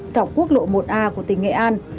dọc quốc lộ một a của tỉnh nghệ an